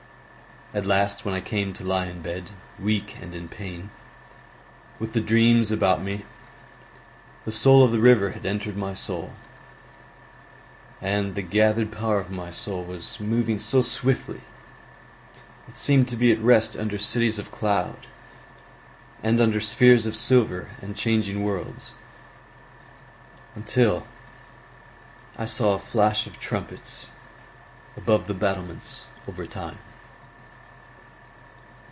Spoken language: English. At last when I came to lie in bed Weak and in pain, with the dreams about me, The soul of the river had entered my soul, And the gathered power of my soul was moving So swiftly it seemed to be at rest Under cities of cloud and under Spheres of silver and changing worlds— Until I saw a flash of trumpets Above the battlements over Time.